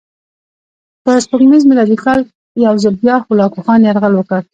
په سپوږمیز میلادي کال یو ځل بیا هولاکوخان یرغل وکړ.